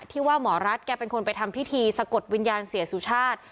ที่ว่าหมอรัฐแกเป็นคนไปทำพิธีสะกดวิญญาณเสียสุชาติ